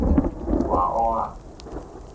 外挖仔